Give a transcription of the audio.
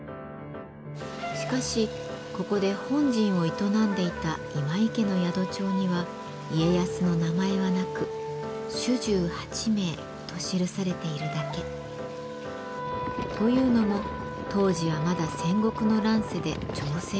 しかしここで本陣を営んでいた今井家の宿帳には家康の名前はなく「主従八名」と記されているだけ。というのも当時はまだ戦国の乱世で情勢も不安定。